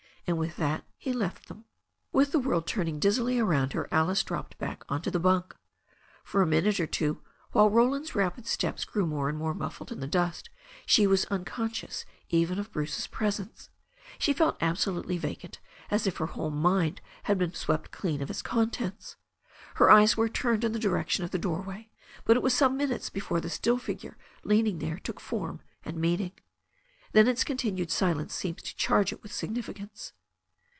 And with that he left them. With the world turning dizzily around her Alice dropped back on to the bunk. For a minute or two, while Roland's rapid steps grew more and more muffled in the dust, she was unconscious even of Bruce's presence. She felt absolutely vacant, as if her whole mind had been swept clean of its contents. Her eyes were turned in the direction of the doorway, but it was some minutes before the still figure leaning there took form and meaning. Then its continued silence seemed to charge it with significance.